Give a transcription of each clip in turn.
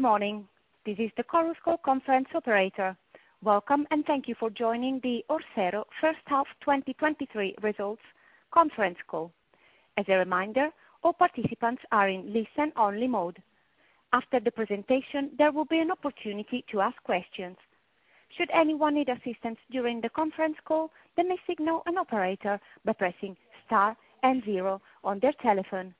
Good morning, this is the Chorus Call Conference Operator. Welcome, and thank you for joining the Orsero first half 2023 results conference call. As a reminder, all participants are in listen-only mode. After the presentation, there will be an opportunity to ask questions. Should anyone need assistance during the conference call, they may signal an operator by pressing Star and zero on their telephone.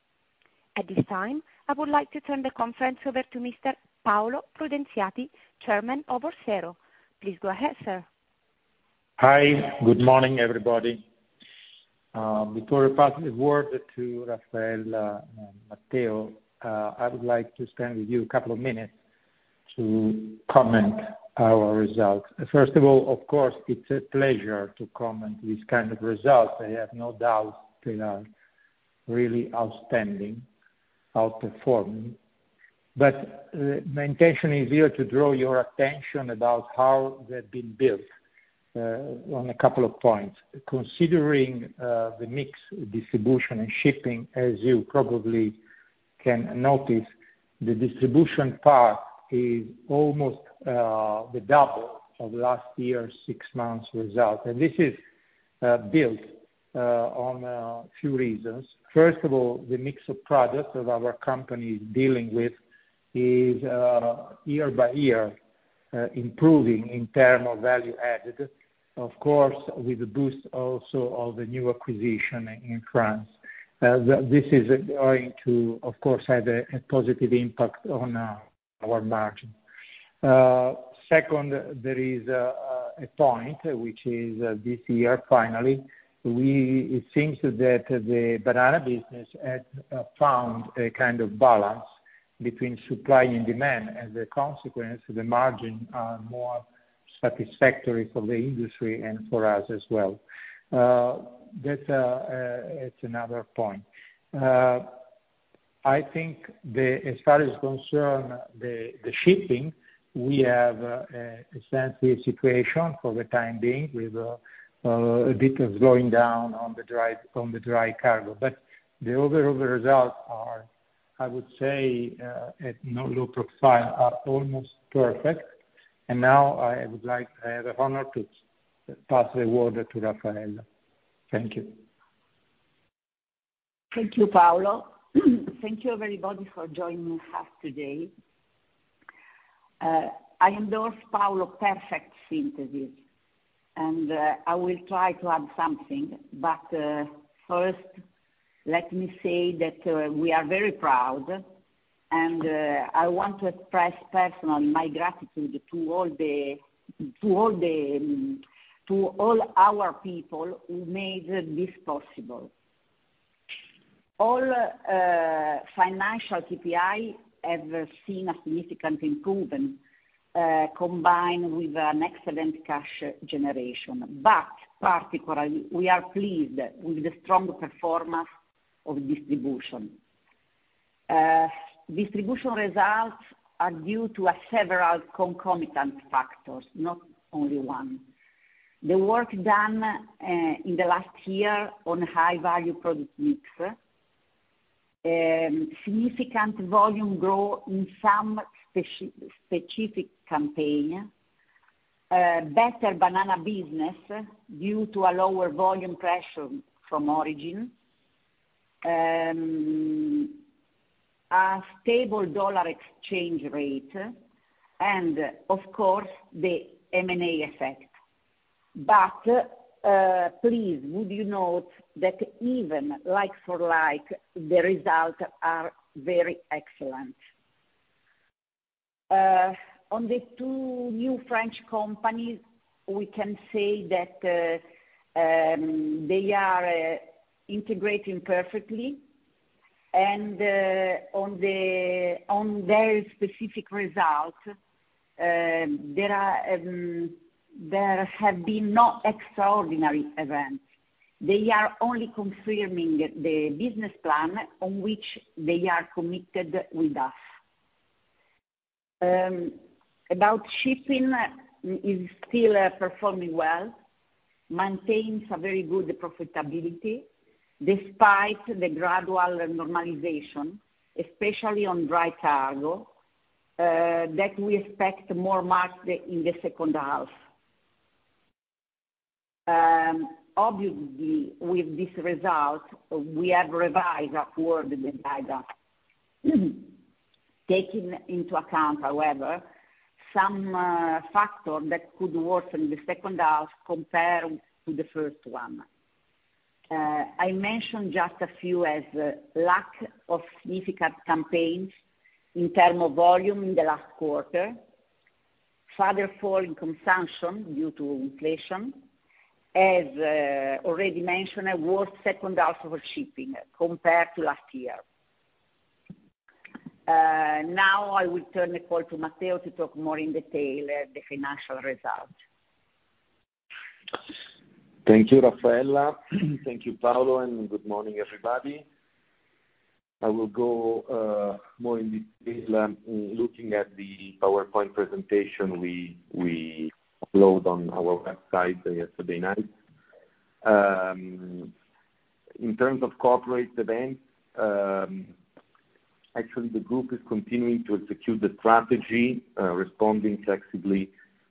At this time, I would like to turn the conference over to Mr. Paolo Prudenziati, Chairman of Orsero. Please go ahead, sir. Hi, good morning, everybody. Before I pass the word to Raffaella and Matteo, I would like to spend with you a couple of minutes to comment our results. First of all, of course, it's a pleasure to comment this kind of results. I have no doubt they are really outstanding, outperforming, but my intention is here to draw your attention about how they've been built on a couple of points. Considering the mix distribution and shipping, as you probably can notice, the distribution part is almost the double of last year's six months result, and this is built on a few reasons. First of all, the mix of products that our company is dealing with is year-by-year improving in terms of value added. Of course, with the boost also of the new acquisition in France, this is going to, of course, have a positive impact on our margin. Second, there is a point which is this year, finally, it seems that the banana business has found a kind of balance between supply and demand, as a consequence the margin are more satisfactory for the industry and for us as well. That it's another point. I think, as far as concerns the shipping, we have a satisfactory situation for the time being, with a bit of going down on the dry cargo. But the overall results are, I would say, at no low profile, almost perfect. And now, I would like to have the honor to pass the word to Raffaella. Thank you. Thank you, Paolo. Thank you, everybody, for joining us today. I endorse Paolo's perfect synthesis, and I will try to add something. But first, let me say that we are very proud, and I want to express personally my gratitude to all the, to all the, to all our people who made this possible. All financial KPI have seen a significant improvement, combined with an excellent cash generation. But particularly, we are pleased with the strong performance of distribution. Distribution results are due to a several concomitant factors, not only one. The work done in the last year on high value product mix, significant volume growth in some specific campaign, better Banana business due to a lower volume pressure from origin, a stable dollar exchange rate and of course, the M&A effect. But, please, would you note that even like for like, the results are very excellent. On the two new French companies, we can say that they are integrating perfectly and on their specific results, there have been no extraordinary events. They are only confirming the business plan on which they are committed with us. About shipping is still performing well, maintains a very good profitability despite the gradual normalization, especially on dry cargo, that we expect more marked in the second half. Obviously, with this result, we have revised upward the guidance. Taking into account, however, some factor that could worsen the second half compared to the first one. I mentioned just a few as lack of significant campaigns in terms of volume in the last quarter, further fall in consumption due to inflation, as already mentioned, a worse second half of shipping compared to last year. Now, I will turn the call to Matteo to talk more in detail the financial results. Thank you, Raffaella. Thank you, Paolo, and good morning, everybody. I will go more in detail, looking at the PowerPoint presentation we uploaded on our website yesterday night. In terms of corporate event, actually, the group is continuing to execute the strategy, responding flexibly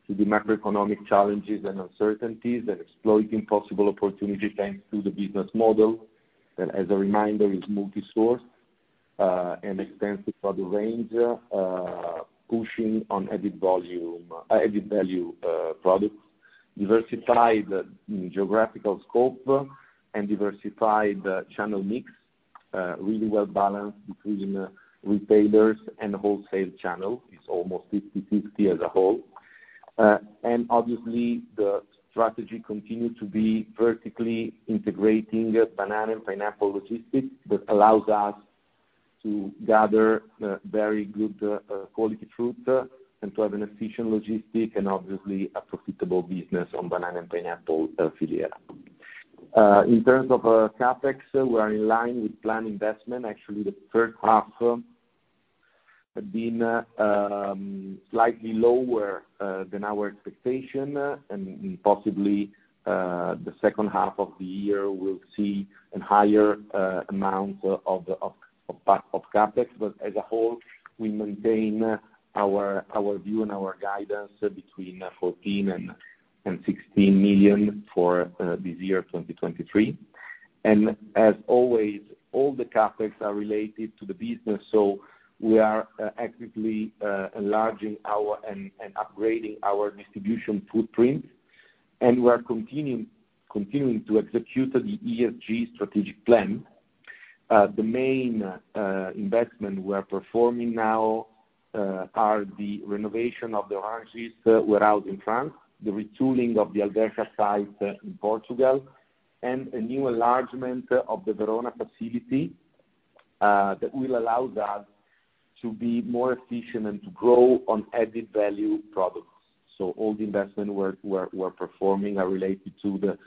to the macroeconomic challenges and uncertainties and exploiting possible opportunities, thanks to the business model, that as a reminder, is multi-source and extensive for the range, pushing on added volume, added value products, diversified geographical scope, and diversified channel mix, really well balanced between retailers and wholesale channel. It's almost 50/50 as a whole. And obviously, the strategy continues to be vertically integrating banana and pineapple logistics, that allows us to gather very good quality fruit and to have an efficient logistic and obviously a profitable business on banana and pineapple filière. In terms of Capexo, we are in line with planned investment. Actually, the first half have been slightly lower than our expectation, and possibly the second half of the year, we'll see a higher amount of CapEx. But as a whole, we maintain our view and our guidance between 14 million-16 million for this year, 2023. And as always, all the CapEx are related to the business, so we are actively enlarging our and upgrading our distribution footprint, and we are continuing to execute the ESG strategic plan. The main investment we are performing now are the renovation of the oranges warehouse in France, the retooling of the Alverca site in Portugal, and a new enlargement of the Verona facility that will allow us to be more efficient and to grow on added value products. So all the investment we're performing are related to the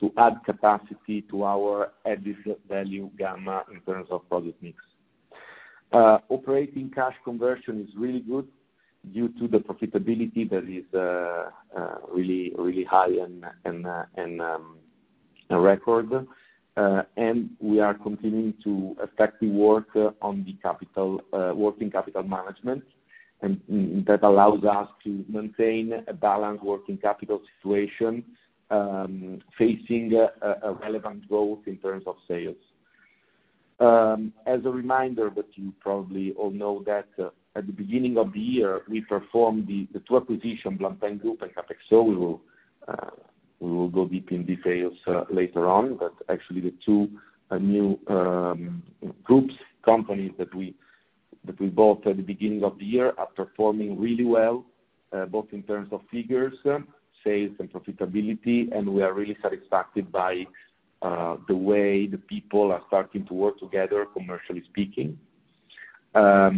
to add capacity to our added value gamma in terms of product mix. Operating cash conversion is really good due to the profitability that is really really high and a record. And we are continuing to effectively work on working capital management, and that allows us to maintain a balanced working capital situation facing a relevant growth in terms of sales. As a reminder, but you probably all know that, at the beginning of the year, we performed the two acquisitions, Groupe Blampin and Capexo. We will go deep in details later on. But actually, the two new groups companies that we that we bought at the beginning of the year are performing really well, both in terms of figures, sales, and profitability, and we are really satisfied by the way the people are starting to work together, commercially speaking. As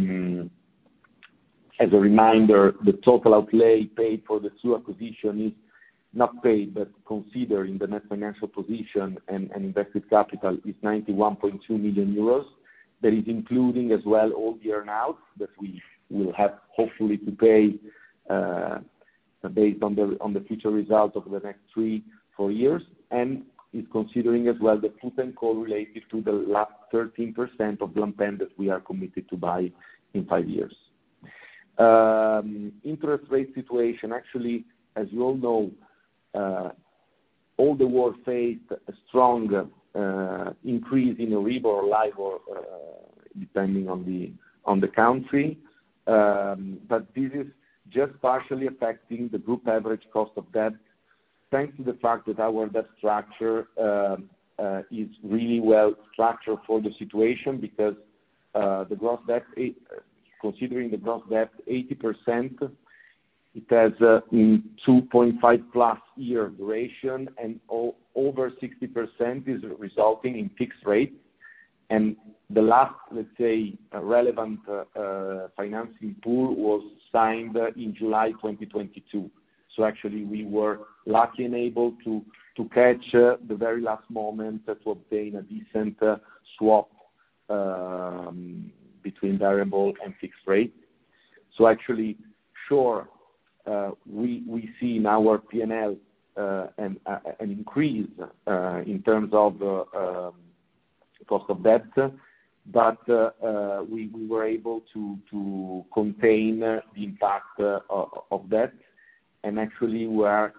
a reminder, the total outlay paid for the two acquisitions is not paid, but considered in the net financial position and invested capital is 91.2 million euros. That is including as well, all the earn-out that we will have, hopefully to pay, based on the, on the future results of the next 3-4 years, and is considering as well, the put and call related to the last 13% of Blampin that we are committed to buy in 5 years. Interest rate situation, actually, as you all know, all the world face a strong, increase in Euribor or LIBOR, depending on the, on the country. But this is just partially affecting the group average cost of debt, thanks to the fact that our debt structure, is really well structured for the situation because, the gross debt, considering the gross debt, 80%, it has, 2.5+ year duration, and over 60% is resulting in fixed rate. The last, let's say, relevant financing pool was signed in July 2022. So actually, we were lucky and able to catch the very last moment to obtain a decent swap between variable and fixed rate. So actually, sure, we see in our P&L an increase in terms of cost of debt, but we were able to contain the impact of that. And actually, we are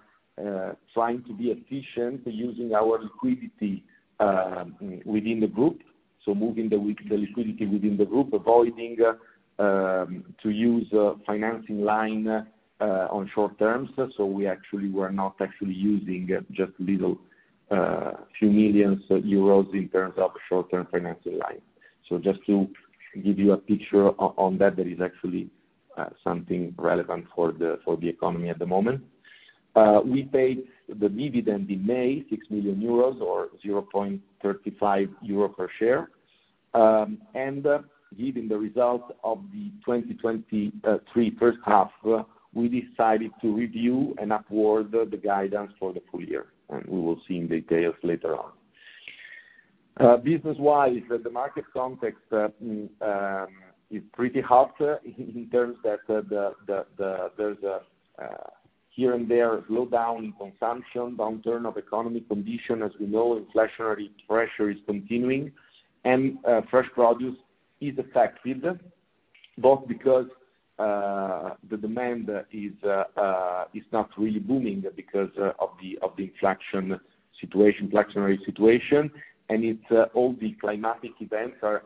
trying to be efficient using our liquidity within the group, so moving the liquidity within the group, avoiding to use financing line on short-terms. So we actually were not actually using just a little few million EUR in terms of short-term financing line. So just to give you a picture on that, that is actually something relevant for the economy at the moment. We paid the dividend in May, 6 million euros or 0.35 euro per share. And given the results of the 2023 first half, we decided to review and upward the guidance for the full-year, and we will see in details later on. Business wise, the market context is pretty hard in terms that there's a here and there slowdown in consumption, downturn of economy condition, as we know, inflationary pressure is continuing, and fresh produce is affected, both because the demand is not really booming because of the inflation situation, inflationary situation. It's all the climatic events are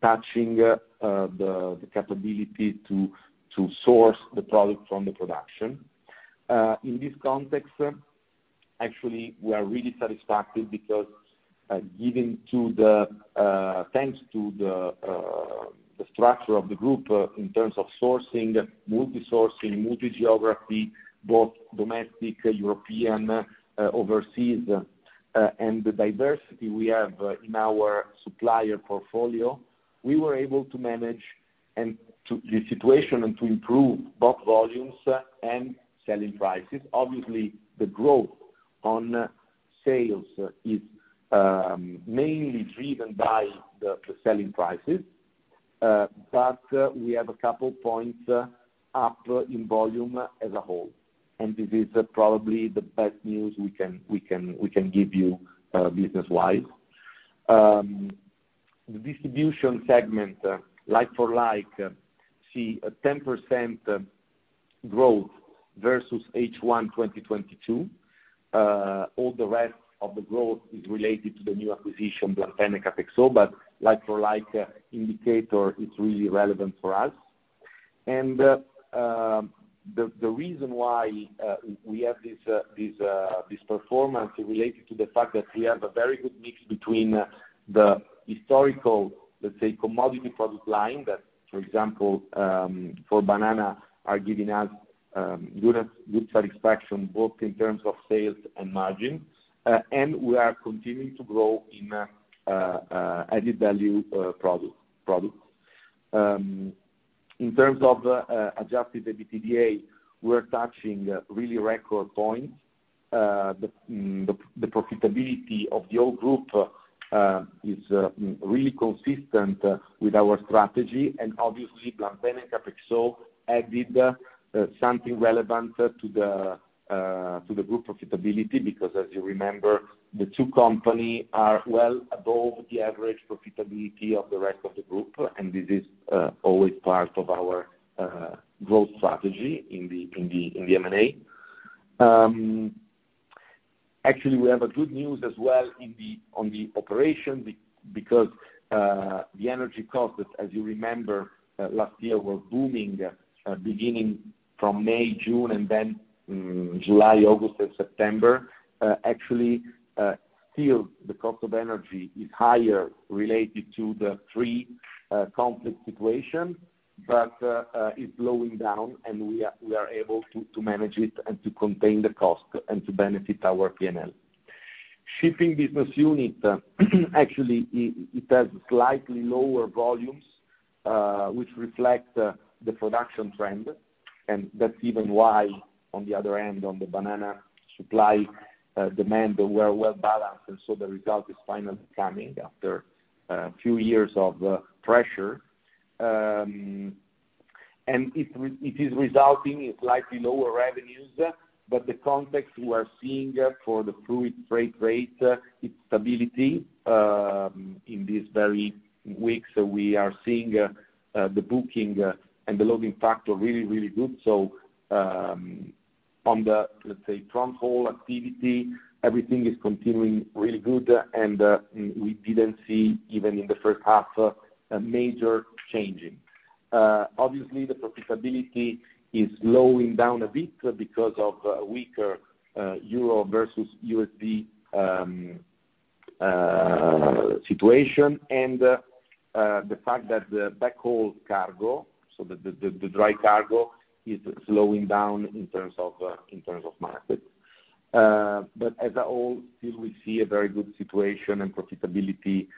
touching the capability to source the product from the production. In this context, actually, we are really satisfied because, given to the, thanks to the structure of the group in terms of sourcing, multi-sourcing, multi-geography, both domestic, European, overseas, and the diversity we have in our supplier portfolio, we were able to manage and to the situation and to improve both volumes and selling prices. Obviously, the growth on sales is mainly driven by the selling prices, but we have a couple points up in volume as a whole, and this is probably the best news we can give you, business-wise. The Distribution segment, like-for-like, see a 10% growth versus H1, 2022. All the rest of the growth is related to the new acquisition, CapEx, but like for like indicator, it's really relevant for us. And, the reason why we have this performance is related to the fact that we have a very good mix between the historical, let's say, commodity product line. That, for example, for Banana, are giving us good satisfaction, both in terms of sales and margin, and we are continuing to grow in added value product. In terms of adjusted EBITDA, we're touching really record points. The profitability of the whole group is really consistent with our strategy, and obviously, the Capexo added something relevant to the group profitability, because as you remember, the two company are well above the average profitability of the rest of the group, and this is always part of our growth strategy in the M&A. Actually, we have a good news as well in the operations because the energy costs, as you remember, last year, were booming beginning from May, June, and then July, August, and September. Actually, still the cost of energy is higher related to the Ukraine conflict situation, but it's slowing down, and we are able to manage it and to contain the cost and to benefit our P&L. Shipping business unit, actually, it has slightly lower volumes, which reflect the production trend, and that's even why, on the other end, on the Banana supply demand, we are well balanced, and so the result is finally coming after a few years of pressure. And it is resulting in slightly lower revenues, but the context we are seeing for the fruit freight rate, it's stability. In these very weeks, we are seeing the booking and the loading factor really, really good. So, on the, let's say, trunk haul activity, everything is continuing really good, and, we didn't see, even in the first half, a major changing. Obviously, the profitability is slowing down a bit because of weaker euro versus USD situation, and, the fact that the backhaul cargo, so the dry cargo is slowing down in terms of market. But as a whole, still we see a very good situation and profitability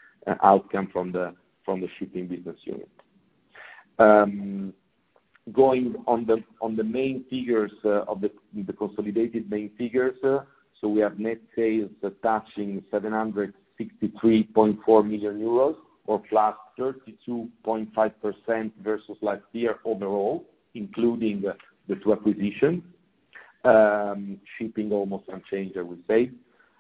outcome from the shipping business unit. Going on the main figures of the consolidated main figures, so we have net sales touching 763.4 million euros, or +32.5% versus last year overall, including the two acquisition. Shipping almost unchanged, I would say.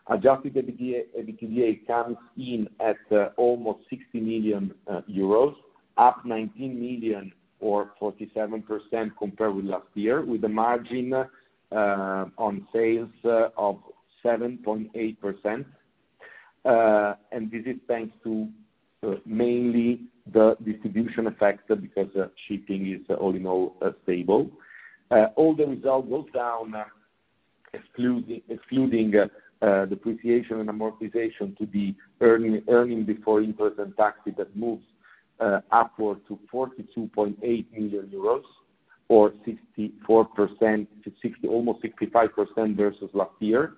Adjusted EBITDA, EBITDA comes in at almost 60 million euros, up 19 million or 47% compared with last year, with a margin on sales of 7.8%. And this is thanks to mainly the distribution effect, because shipping is all in all stable. All the results go down, excluding depreciation and amortization to the earnings before interest and taxes, that moves upward to 42.8 million euros, or 64% to almost 65% versus last year.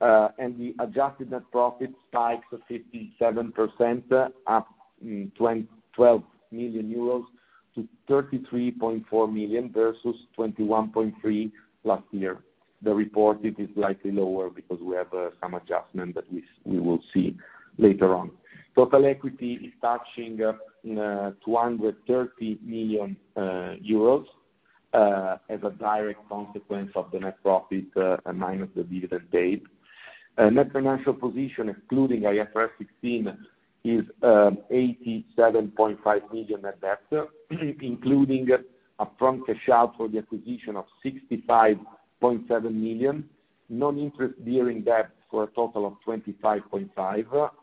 And the adjusted net profit spikes 57%, up twelve million euros to 33.4 million versus 21.3 million last year. The reported is slightly lower because we have some adjustment that we will see later on. Total equity is touching 230 million euros, as a direct consequence of the net profit, and minus the dividend paid. Net financial position, excluding IFRS 16, is 87.5 million at best, including a upfront cash out for the acquisition of 65.7 million, non-interest bearing debt for a total of 25.5 million,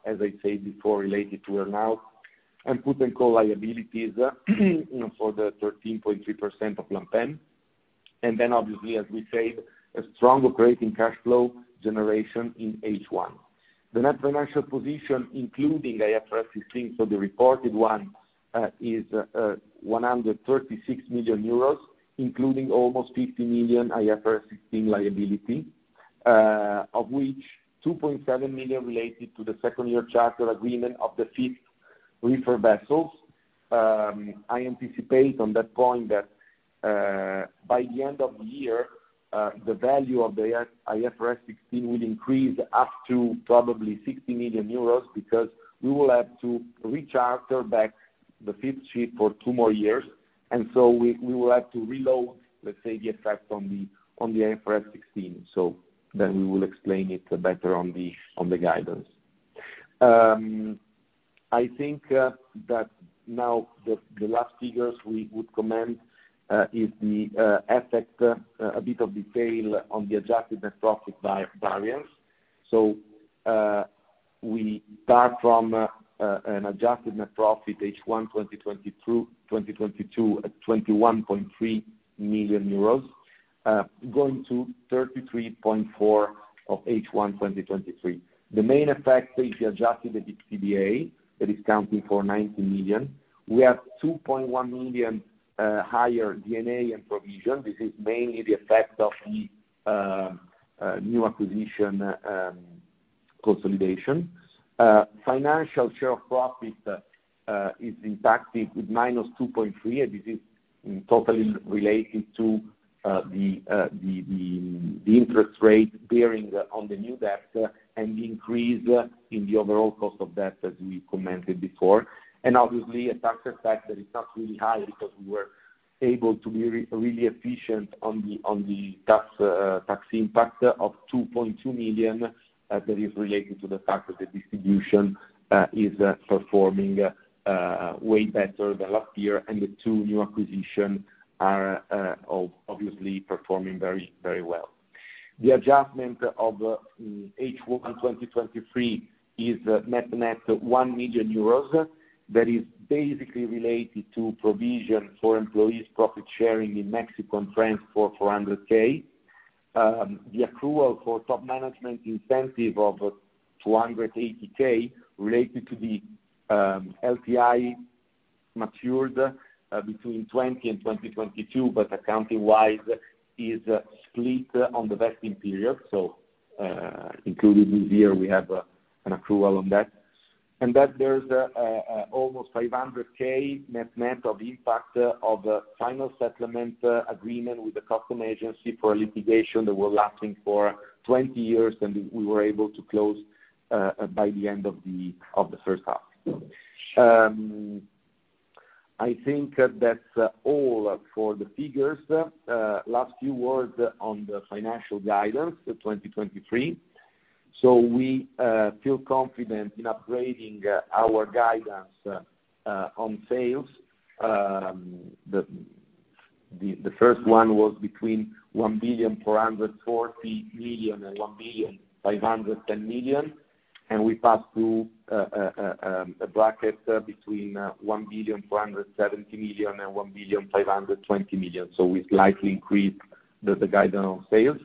as I said before, related to earn-out, and put and call liabilities, you know, for the 13.3% of Blampin. And then obviously, as we said, a strong operating cash flow generation in H1. The net financial position, including IFRS 16, so the reported one, is 136 million euros, including almost 50 million IFRS 16 liability, of which 2.7 million related to the second year charter agreement of the fifth reefer vessels. I anticipate on that point that by the end of the year, the value of the IFRS 16 will increase up to probably 60 million euros, because we will have to recharter back the fifth ship for two more years, and so we will have to reload, let's say, the effect on the IFRS 16. So then we will explain it better on the guidance. I think that now the last figures we would comment is the effect a bit of detail on the adjusted net profit by variance. So we start from an adjusted net profit, H1 2022, at 21.3 million euros, going to 33.4 of H1 2023. The main effect is the adjusted EBITDA, that is accounting for 19 million. We have 2.1 million higher D&A and provision. This is mainly the effect of the new acquisition consolidation. Financial share of profit is impacted with -2.3, and this is totally related to the interest rate bearing on the new debt and the increase in the overall cost of debt, as we commented before. And obviously, a tax effect that is not really high because we were able to be really efficient on the tax impact of 2.2 million that is related to the fact that the Distribution is performing way better than last year, and the two new acquisition are obviously performing very, very well. The adjustment of H1 2023 is net 1 million euros. That is basically related to provision for employees' profit sharing in Mexico and France for 400,000. The accrual for top management incentive of 280,000 related to the LTI matured between 2020 and 2022, but accounting-wise is split on the vesting period. So, including this year, we have an accrual on that. And then there's almost 500,000 net, net of impact of final settlement agreement with the customs agency for litigation that were lasting for 20 years, and we were able to close by the end of the first half. I think that's all for the figures. Last few words on the financial guidance, 2023. So we feel confident in upgrading our guidance on sales. The first one was between 1.44 billion and 1.51 billion, and we passed through a bracket between 1.47 billion and 1.52 billion. So we slightly increased the guidance on sales.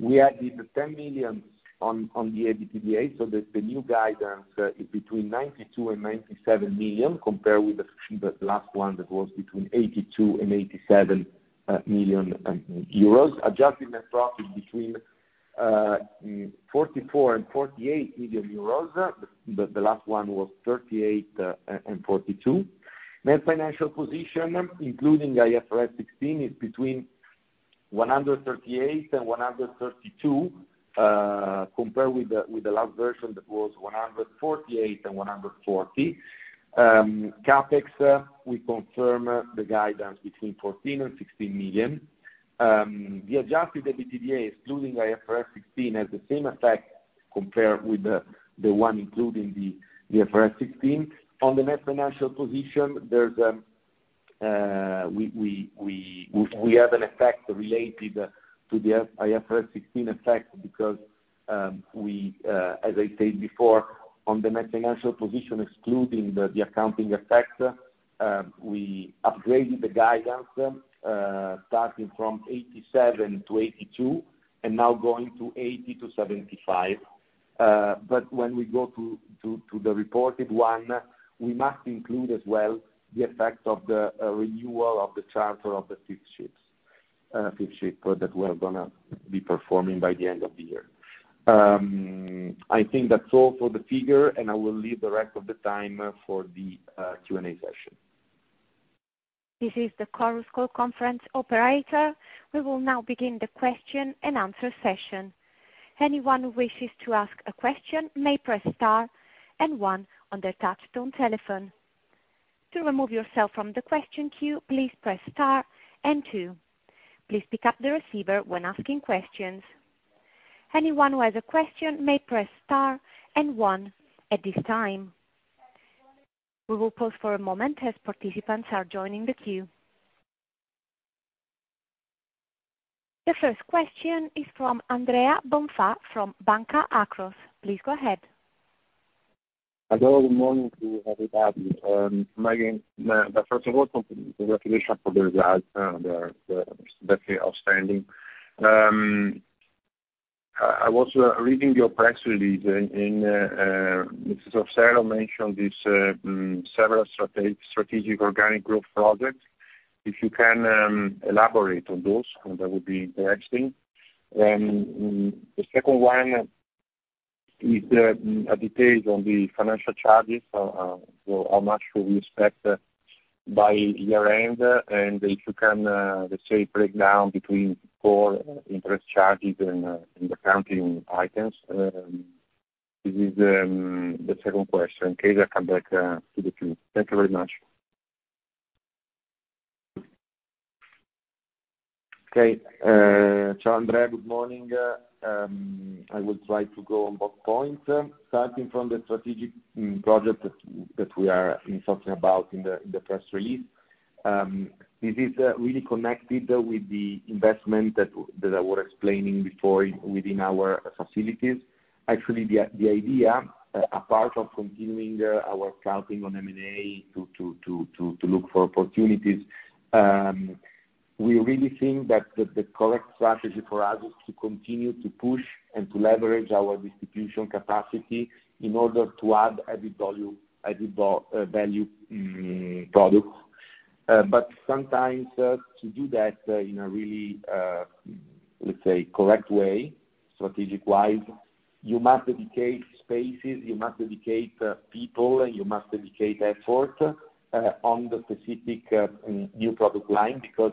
We added 10 million on the EBITDA, so the new guidance is between 92 million and 97 million, compared with the last one that was between 82 million and 87 million euros. Adjusted net profit between 44 million and 48 million euros, the last one was 38 million and 42 million. Net financial position, including IFRS 16, is between 138 million and 132 million, compared with the last version that was 148 million and 140 million. CapEx, we confirm the guidance between 14 million and 16 million. The adjusted EBITDA, excluding IFRS 16, has the same effect compared with the one including the IFRS 16. On the net financial position, we have an effect related to the IFRS 16 effect because, as I said before, on the net financial position, excluding the accounting effect, we upgraded the guidance, starting from 87 million to 82 million, and now going to 80 million-75 million. But when we go to the reported one, we must include as well, the effects of the renewal of the charter of the fifth ship that we're gonna be performing by the end of the year. I think that's all for the figure, and I will leave the rest of the time for the Q&A session. This is the Chorus Call conference operator. We will now begin the question-and-answer session. Anyone who wishes to ask a question may press Star and one on their touchtone telephone. To remove yourself from the question queue, please press Star and two. Please pick up the receiver when asking questions. Anyone who has a question may press Star and one at this time. We will pause for a moment as participants are joining the queue. The first question is from Andrea Bonfà, from Banca Akros. Please go ahead. Hello, good morning to everybody. My name-- but first of all, congratulations for the results, they're definitely outstanding. I was reading your press release, and Mr. Orsero mentioned this several strategic organic growth projects. If you can elaborate on those, that would be interesting. The second one is a detail on the financial charges, how much should we expect by year-end? And if you can, let's say, break down between core interest charges and accounting items, this is the second question, in case I come back to the queue. Thank you very much. Okay. Andrea, good morning. I will try to go on both points. Starting from the strategic project that we are talking about in the press release. This is really connected with the investment that I was explaining before within our facilities. Actually, the idea, apart from continuing our scouting on M&A to look for opportunities, we really think that the correct strategy for us is to continue to push and to leverage our distribution capacity in order to add added value, added value products. But sometimes, to do that, in a really, let's say, correct way, strategic wise, you must dedicate spaces, you must dedicate people, and you must dedicate effort on the specific new product line, because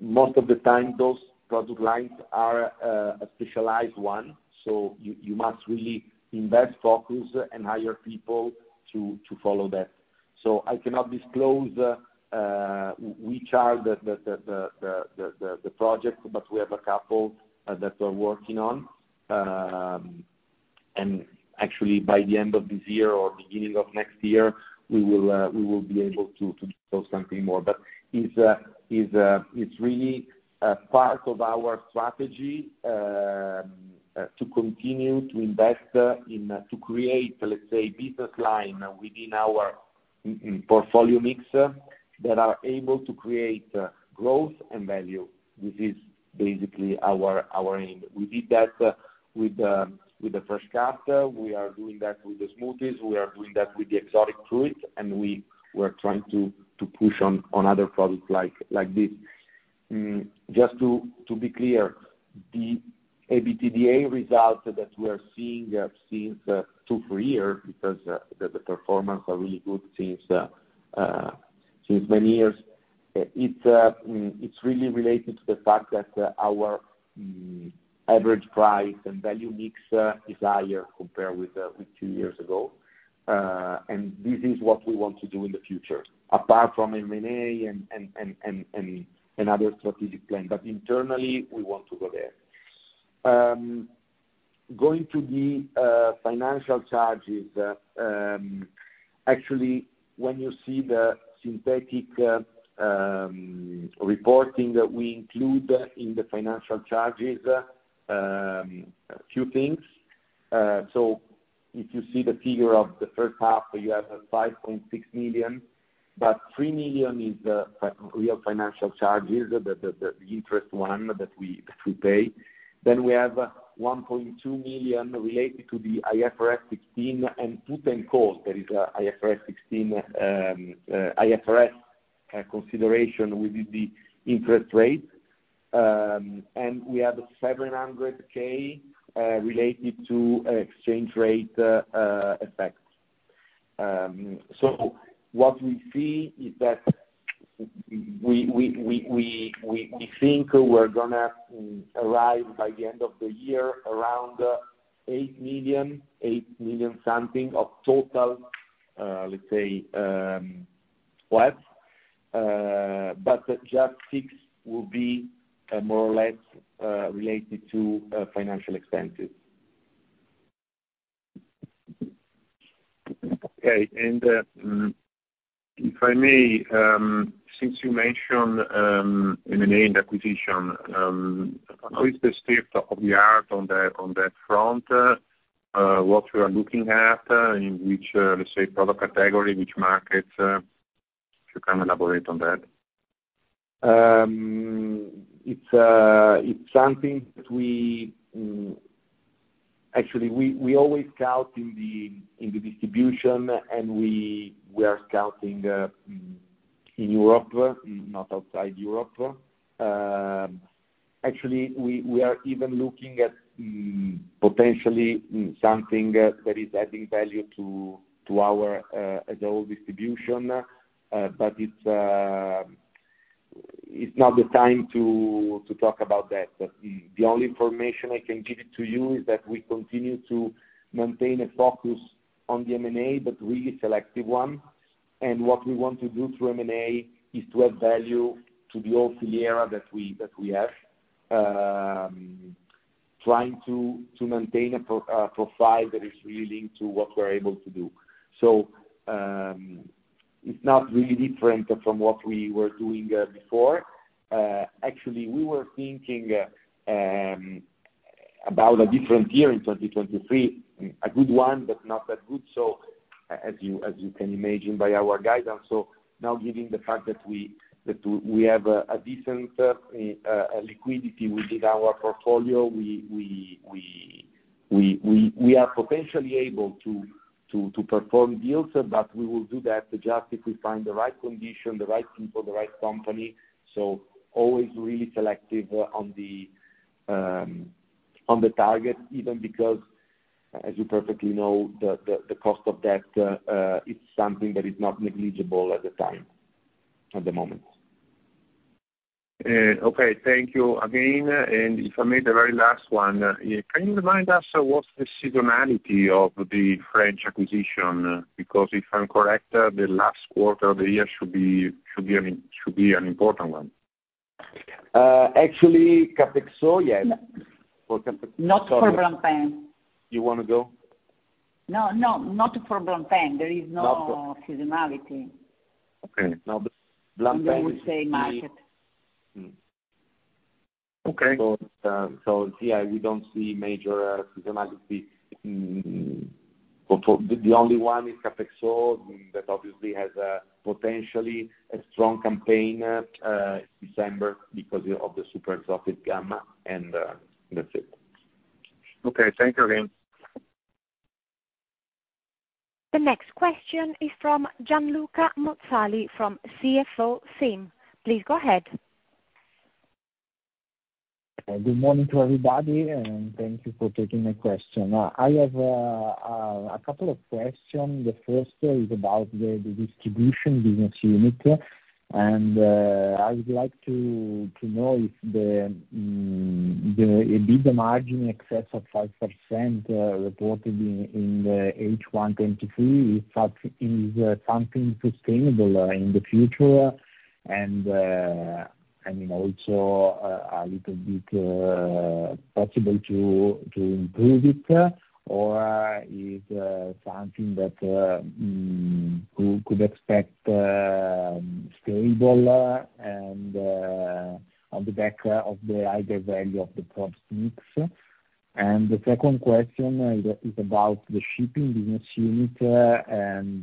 most of the time, those product lines are a specialized one, so you must really invest, focus, and hire people to follow that. So I cannot disclose which are the projects, but we have a couple that we're working on. And actually, by the end of this year or beginning of next year, we will be able to disclose something more. But it's really a part of our strategy to continue to invest in to create, let's say, business line within our portfolio mix, that are able to create growth and value. This is basically our aim. We did that with the fresh cut, we are doing that with the smoothies, we are doing that with the exotic fruits, and we were trying to push on other products like this. Just to be clear, the EBITDA results that we are seeing since 2-3 years, because the performance are really good since many years, it's really related to the fact that our average price and value mix is higher compared with 2 years ago. And this is what we want to do in the future, apart from M&A and other strategic plan, but internally, we want to go there. Going to the financial charges, actually, when you see the synthetic reporting that we include in the financial charges, a few things. So if you see the figure of the first half, you have 5.6 million, but 3 million is real financial charges, the interest one that we pay. Then we have 1.2 million related to the IFRS 16 and put and call cost, that is, IFRS 16 consideration within the interest rate. And we have 700 thousand related to exchange rate effects. So what we see is that we think we're gonna arrive by the end of the year, around 8 million, 8 million something of total, let's say, but just 6 million will be more or less related to financial expenses. Okay. And if I may, since you mentioned M&A and acquisition, what is the state of the art on that, on that front? What you are looking at, in which, let's say, product category, which markets, if you can elaborate on that? It's something that we actually always scout in the distribution, and we are scouting in Europe, not outside Europe. Actually, we are even looking at potentially something that is adding value to our overall distribution. But it's not the time to talk about that. But the only information I can give it to you is that we continue to maintain a focus on the M&A, but really selective one. And what we want to do through M&A is to add value to the whole Orsero that we have, trying to maintain a profile that is really to what we're able to do. So, it's not really different from what we were doing before. Actually, we were thinking about a different year in 2023, a good one, but not that good, so as you can imagine by our guidance. So now given the fact that we have a decent liquidity within our portfolio, we are potentially able to perform deals, but we will do that just if we find the right condition, the right people, the right company. So always really selective on the target, even because, as you perfectly know, the cost of that is something that is not negligible at the time, at the moment. Okay, thank you again. And if I may, the very last one, can you remind us what's the seasonality of the French acquisition? Because if I'm c\orrect, the last quarter of the year should be an important one. Actually, Capexo, yes. For Cape- Not for Blanxpert. You wanna go? No, no, not for Blampin. There is no- Not for- seasonality. Okay. Now, the Blampin is the- We would say market. Mm. Okay. So, yeah, we don't see major seasonality. The only one is Capexo that obviously has potentially a strong campaign December because of the super exotic gamma, and that's it. Okay, thank you again. The next question is from Gianluca Mozzali, from CFO SIM. Please go ahead. Good morning to everybody, and thank you for taking my question. I have a couple of questions. The first is about the distribution business unit, and I would like to know if the a bigger margin excess of 5%, reported in the H1 2023, is something sustainable in the future? And I mean, also, a little bit possible to improve it, or is something that we could expect stable and on the back of the higher value of the products mix? And the second question is about the shipping business unit, and if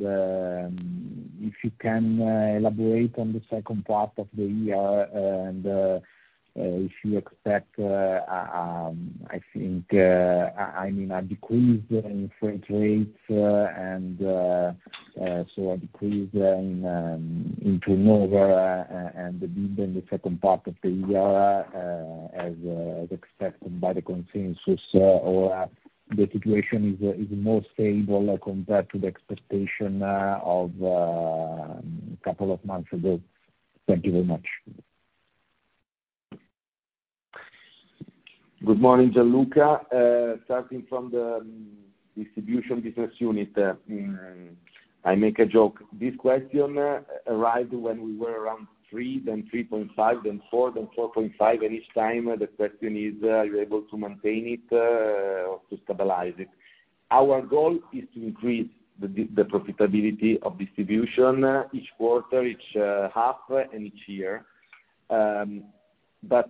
you can elaborate on the second part of the year, and if you expect, I think, I mean, a decrease in freight rates, and so a decrease in turnover, and indeed in the second part of the year, as expected by the consensus, or the situation is more stable compared to the expectation of a couple of months ago. Thank you very much. Good morning, Gianluca. Starting from the Distribution business unit, I make a joke. This question arrived when we were around 3, then 3.5, then 4, then 4.5, and each time, the question is, are you able to maintain it, or to stabilize it? Our goal is to increase the profitability of distribution, each quarter, each half, and each year. But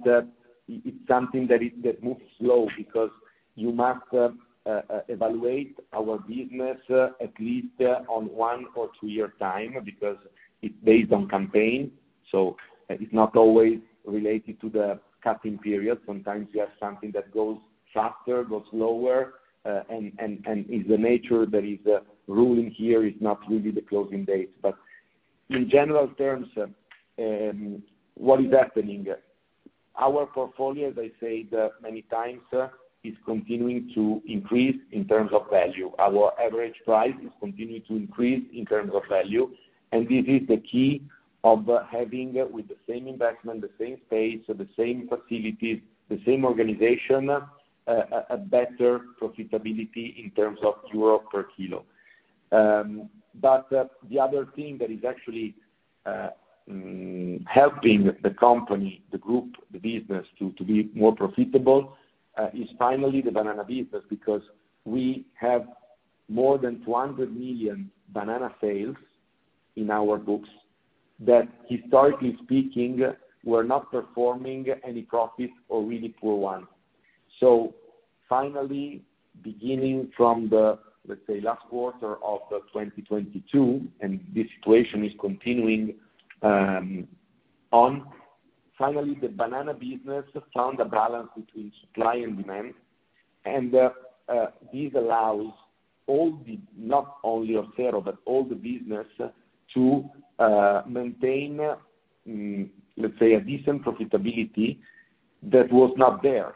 it's something that moves slow because you must evaluate our business, at least on one or two-year time, because it's based on campaign, so it's not always related to the cutting period. Sometimes you have something that goes faster, goes slower, and it is the nature that is ruling here, it is not really the closing date. But in general terms, what is happening? Our portfolio, as I said many times, is continuing to increase in terms of value. Our average price is continuing to increase in terms of value, and this is the key of having, with the same investment, the same space, so the same facilities, the same organization, a better profitability in terms of EUR per kilo. But, the other thing that is actually helping the company, the group, the business to be more profitable is finally the Banana business, because we have more than 200 million banana sales in our books, that historically speaking, we're not performing any profits or really poor ones. So finally, beginning from the, let's say, last quarter of 2022, and this situation is continuing, finally, the banana business found a balance between supply and demand, and this allows all the—not only Orsero, but all the business to maintain, let's say, a decent profitability that was not there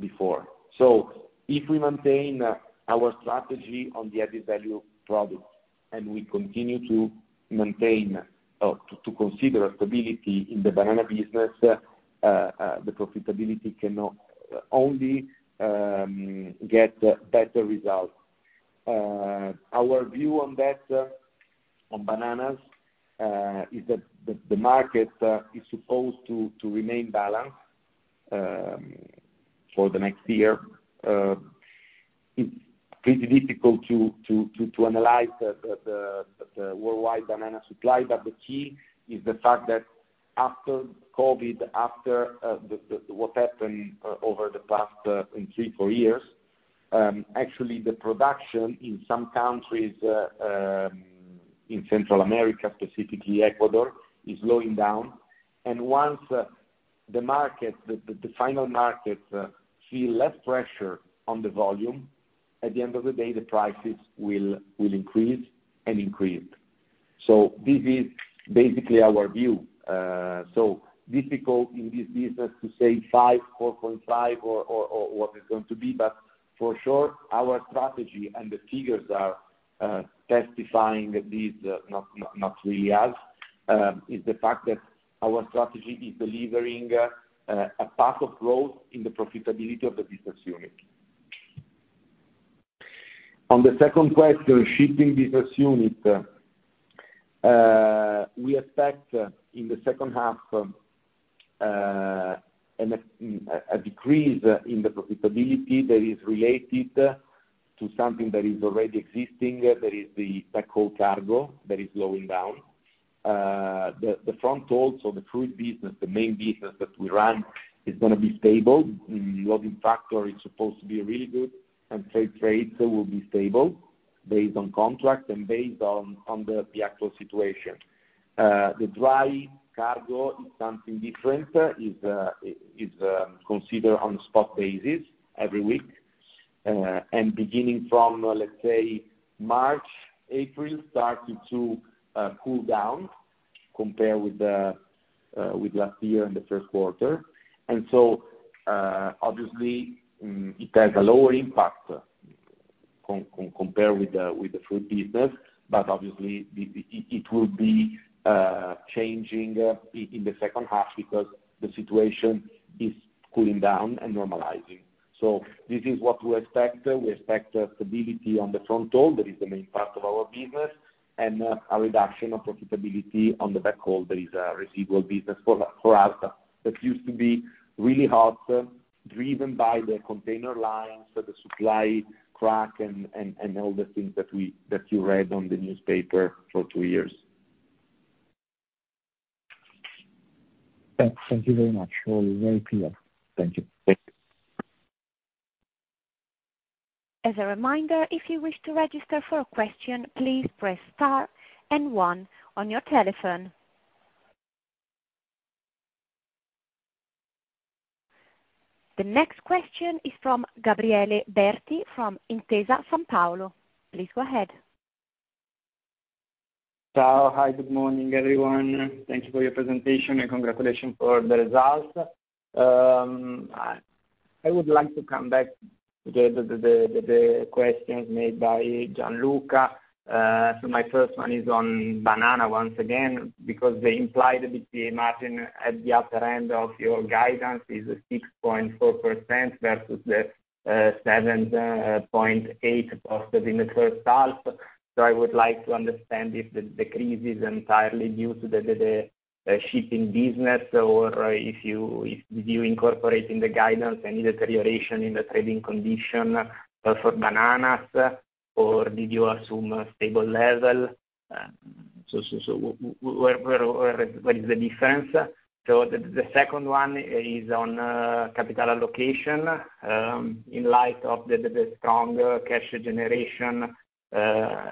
before. So if we maintain our strategy on the added value product, and we continue to maintain to consider a stability in the banana business, the profitability cannot only get better results. Our view on that, on bananas, is that the market is supposed to remain balanced for the next year. It's pretty difficult to analyze the worldwide banana supply, but the key is the fact that after COVID, what happened over the past in three, four years, actually the production in some countries in Central America, specifically Ecuador, is slowing down. And once the market, the final market see less pressure on the volume, at the end of the day, the prices will increase and increase. So this is basically our view. So difficult in this business to say 5, 4.5, or what it's going to be, but for sure, our strategy and the figures are testifying these not really us is the fact that our strategy is delivering a path of growth in the profitability of the business unit. On the second question, shipping business unit, we expect in the second half a decrease in the profitability that is related to something that is already existing, that is the backhaul cargo that is slowing down. The front haul, so the fruit business, the main business that we run, is gonna be stable. Loading factor is supposed to be really good, and trade will be stable based on contract and based on the actual situation. The dry cargo is something different. It's considered on spot basis every week, and beginning from, let's say, March, April, started to cool down compared with the, with last year in the first quarter. And so, obviously, it has a lower impact compare with the, with the Fruit business, but obviously, it will be changing in the second half because the situation is cooling down and normalizing. So this is what we expect. We expect stability on the front haul, that is the main part of our business, and a reduction of profitability on the back haul. There is a residual business for us that used to be really hard, driven by the container lines, so the supply chain and all the things that you read on the newspaper for two years. Thanks. Thank you very much. All very clear. Thank you. Thank you. As a reminder, if you wish to register for a question, please press Star and one on your telephone. The next question is from Gabriele Berti, from Intesa Sanpaolo. Please go ahead. Ciao. Hi, good morning, everyone. Thank you for your presentation, and congratulations for the results. I would like to come back to the questions made by Gianluca. So my first one is on Banana once again, because they implied a bit the margin at the upper end of your guidance is 6.4% versus the 7.8 in the first half. So I would like to understand if the decrease is entirely due to the shipping business, or if you did you incorporate in the guidance any deterioration in the trading condition for bananas? Or did you assume a stable level? So where is the difference? So the second one is on capital allocation. In light of the stronger cash generation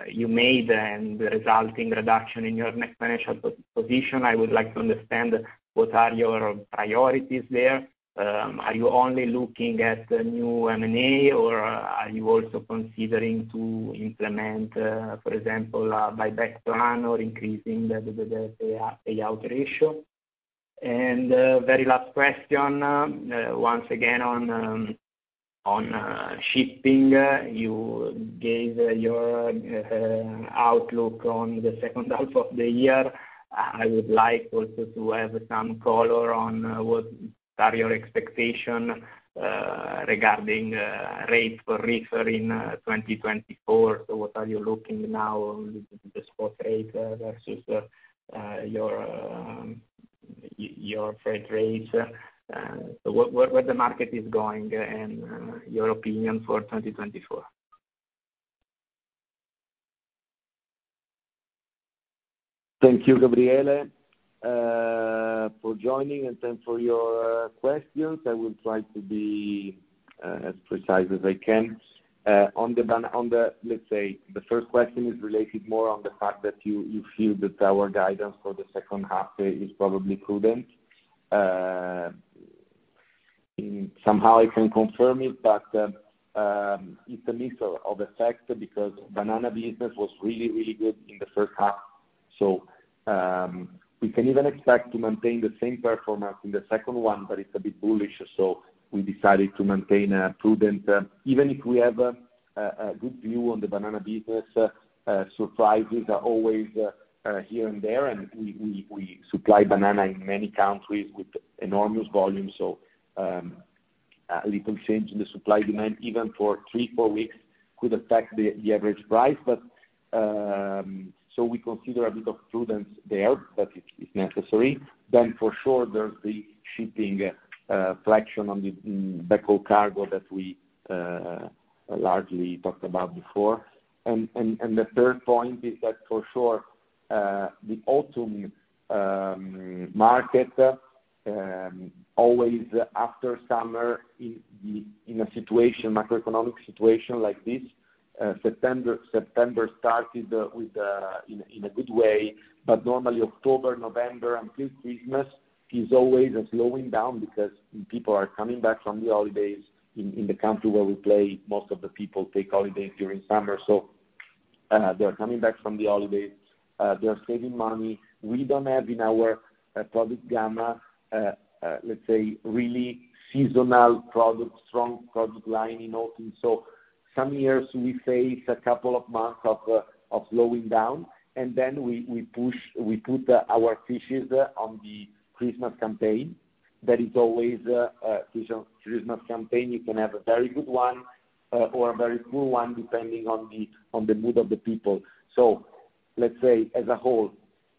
you made and the resulting reduction in your net financial position, I would like to understand what are your priorities there. Are you only looking at the new M&A, or are you also considering to implement, for example, a buyback plan or increasing the payout ratio? And very last question, once again, on shipping. You gave your outlook on the second half of the year. I would like also to have some color on what are your expectation regarding rates for reefer in 2024. So what are you looking now on the spot rate versus your freight rates, so where the market is going and your opinion for 2024? Thank you, Gabriele, for joining, and thanks for your questions. I will try to be as precise as I can. On the, let's say, the first question is related more on the fact that you feel that our guidance for the second half is probably prudent. Somehow I can confirm it, but it's a mix of effect, because Banana business was really, really good in the first half. So, we can even expect to maintain the same performance in the second one, but it's a bit bullish, so we decided to maintain a prudent... Even if we have a good view on the Banana business, surprises are always here and there, and we supply banana in many countries with enormous volume, so a little change in the supply-demand, even for 3-4 weeks, could affect the average price. But so we consider a bit of prudence there, but it's necessary. For sure, there's the shipping fraction on the backhaul cargo that we largely talked about before. The third point is that, for sure, the autumn market always after summer, in a macroeconomic situation like this, September started with in a good way, but normally October, November, and till Christmas is always a slowing down because people are coming back from the holidays. In the country where we play, most of the people take holidays during summer, so they are coming back from the holidays, they are saving money. We don't have in our product gamma, let's say, really seasonal products, strong product line in autumn. So some years we face a couple of months of slowing down, and then we push- we put our fishes on the Christmas campaign. That is always a season Christmas campaign. You can have a very good one, or a very poor one, depending on the mood of the people. So let's say, as a whole,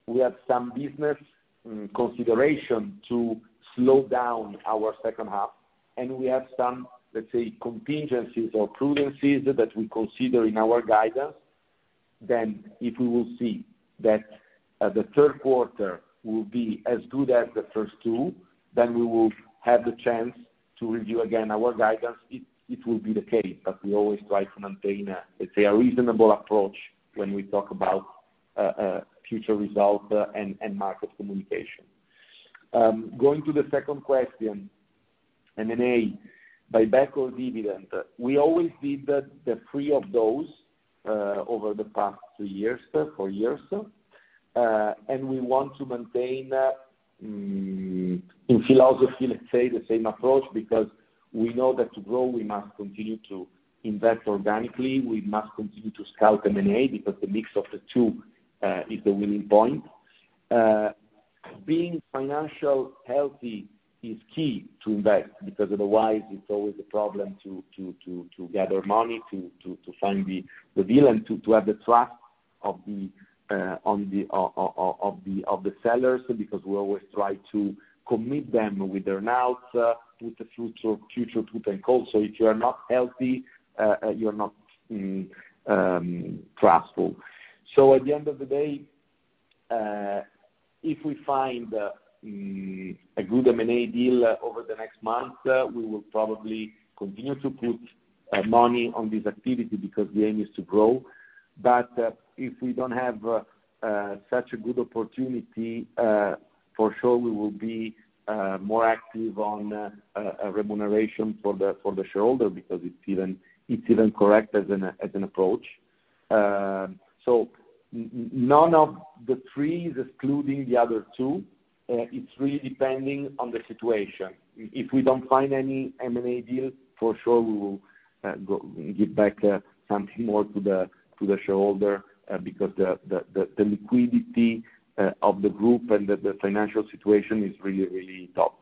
we have some business consideration to slow down our second half, and we have some, let's say, contingencies or prudencies that we consider in our guidance. Then, if we will see that the third quarter will be as good as the first two, then we will have the chance to review again our guidance. It will be the case, but we always try to maintain a, let's say, a reasonable approach when we talk about future results and market communication. Going to the second question, M&A, buyback, or dividend. We always did the three of those over the past two years, four years, and we want to maintain in philosophy, let's say, the same approach, because we know that to grow, we must continue to invest organically. We must continue to scout M&A, because the mix of the two is the winning point. Being financially healthy is key to invest, because otherwise it's always a problem to gather money, to find the deal and to have the trust of the sellers, because we always try to commit them with their notes, with the fruit of future fruit and co. So if you are not healthy, you're not trustful. So at the end of the day, if we find a good M&A deal over the next month, we will probably continue to put money on this activity, because the aim is to grow. But if we don't have such a good opportunity, for sure, we will be more active on a remuneration for the shareholder, because it's even correct as an approach. So none of the three is excluding the other two. It's really depending on the situation. If we don't find any M&A deal, for sure we will give back something more to the shareholder, because the liquidity of the group and the financial situation is really top.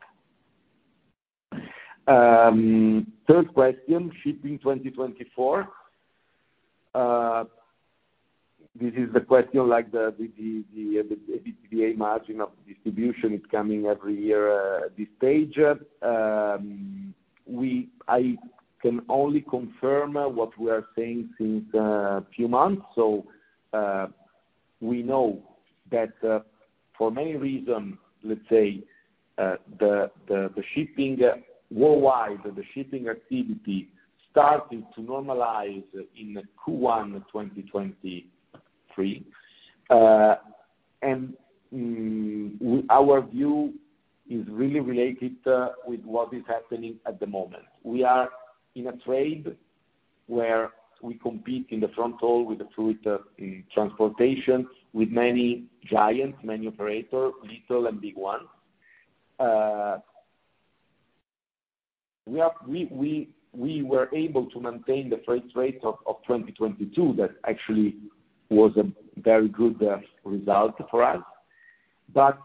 Third question, shipping 2024. This is the question, like the EBITDA margin of distribution is coming every year, this stage. We—I can only confirm what we are saying since few months. So, we know that, for many reasons, let's say, the shipping... Worldwide, the shipping activity started to normalize in Q1 2023. And, our view is really related, with what is happening at the moment. We are in a trade where we compete in the front haul with the fruit, transportation, with many giants, many operator, little and big ones. We were able to maintain the freight rate of 2022. That actually was a very good result for us. But,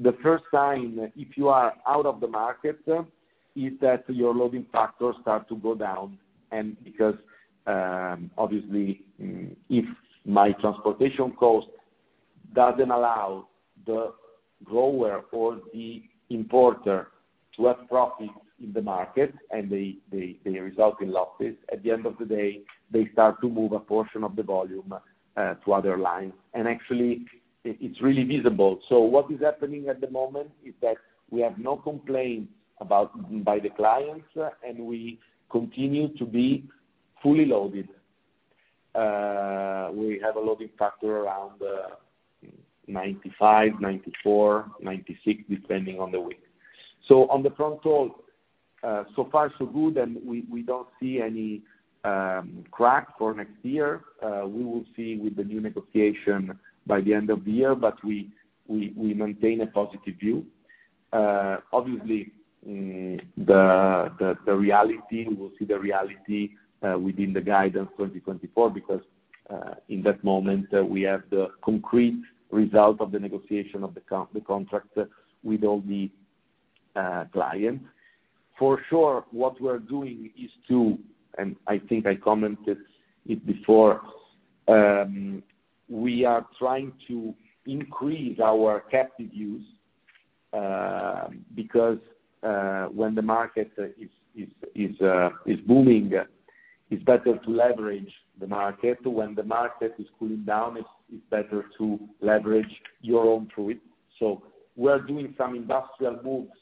the first time, if you are out of the market, is that your loading factor start to go down, and because, obviously, if my transportation cost doesn't allow the grower or the importer- to have profit in the market, and they result in losses. At the end of the day, they start to move a portion of the volume to other lines, and actually, it's really visible. So what is happening at the moment is that we have no complaints about by the clients, and we continue to be fully loaded. We have a loading factor around 95, 94, 96, depending on the week. So on the front haul, so far so good, and we don't see any crack for next year. We will see with the new negotiation by the end of the year, but we maintain a positive view. Obviously, the reality, we will see the reality within the guidance 2024, because in that moment, we have the concrete result of the negotiation of the contract with all the clients. For sure, what we're doing is to, and I think I commented it before, we are trying to increase our captive use, because when the market is booming, it's better to leverage the market. When the market is cooling down, it's better to leverage your own fruit. So we are doing some industrial moves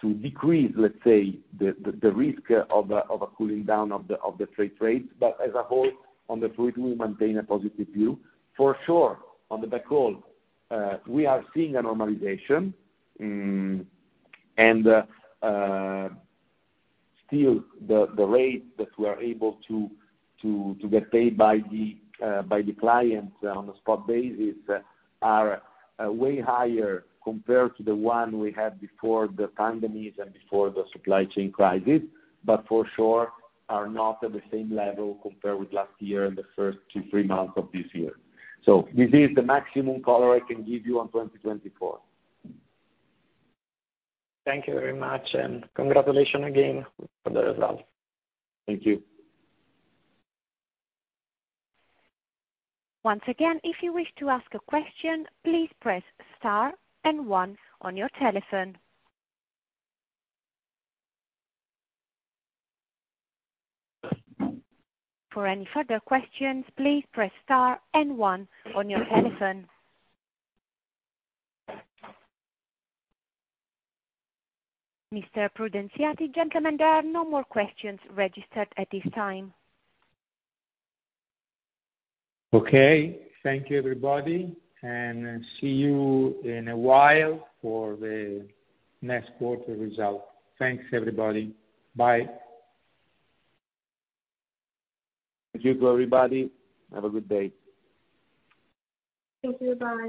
to decrease, let's say, the risk of a cooling down of the freight rates, but as a whole, on the fruit, we maintain a positive view. For sure, on the backhaul, we are seeing a normalization, and still the rate that we are able to get paid by the clients on a spot basis are way higher compared to the one we had before the pandemic and before the supply chain crisis, but for sure, are not at the same level compared with last year and the first 2-3 months of this year. So this is the maximum color I can give you on 2024. Thank you very much, and congratulations again for the results. Thank you. Once again, if you wish to ask a question, please press Star and One on your telephone. For any further questions, please press Star and One on your telephone. Mr. Prudenziati, gentlemen, there are no more questions registered at this time. Okay. Thank you, everybody, and see you in a while for the next quarter results. Thanks, everybody. Bye. Thank you to everybody. Have a good day. Thank you. Bye.